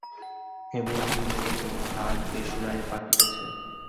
হেমনলিনী বলিত, হাত বেসুরায় পাকিতেছে।